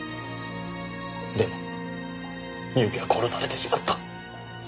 でも深雪は殺されてしまった。